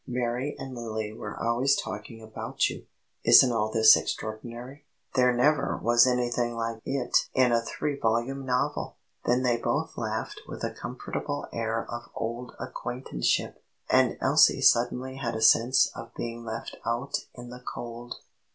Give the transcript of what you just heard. "Mary and Lily were always talking about you. Isn't all this extraordinary? There never was anything like it in a three volume novel!" Then they both laughed with a comfortable air of old acquaintanceship, and Elsie suddenly had a sense of being left out in the cold.